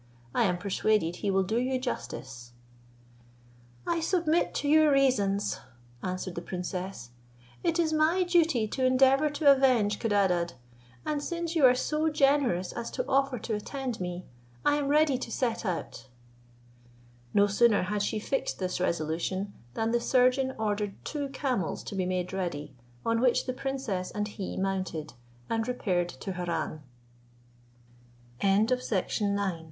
I am persuaded he will do you justice." "I submit to your reasons," answered the princess; "it is my duty to endeavour to avenge Codadad; and since you are so generous as to offer to attend me, I am ready to set out." No sooner had she fixed this resolution, than the surgeon ordered two camels to be made ready, on which the princess and he mounted, and repaired to Harran.